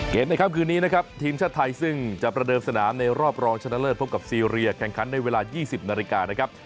ในค่ำคืนนี้นะครับทีมชาติไทยซึ่งจะประเดิมสนามในรอบรองชนะเลิศพบกับซีเรียแข่งขันในเวลา๒๐นาฬิกานะครับ